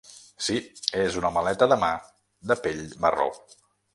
Si, es una maleta de mà de pell marró.